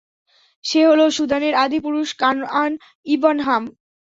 সে হলো সুদানের আদি পুরুষ কানআন ইবন হাম।